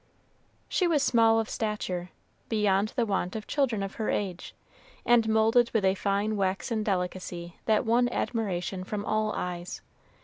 She was small of stature, beyond the wont of children of her age, and moulded with a fine waxen delicacy that won admiration from all eyes.